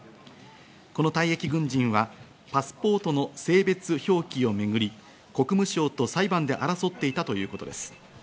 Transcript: この退役軍人はパスポートの性別表記をめぐり、国務省と裁判で争っていたということです。